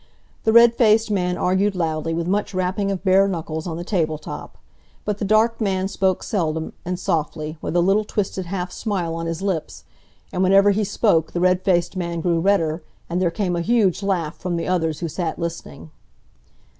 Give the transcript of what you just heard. The red faced man argued loudly, with much rapping of bare knuckles on the table top. But the dark man spoke seldom, and softly, with a little twisted half smile on his lips; and whenever he spoke the red faced man grew redder, and there came a huge laugh from the others who sat listening.